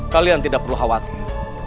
kalian tidak perlu khawatir